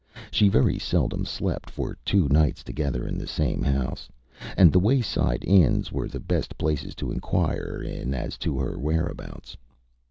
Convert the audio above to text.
She very seldom slept for two nights together in the same house; and the wayside inns were the best places to inquire in as to her whereabouts.